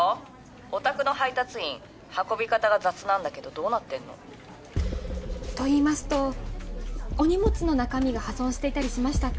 おたくの配達員運び方が雑なんだけどどうなってんの？といいますとお荷物の中身が破損していたりしましたか？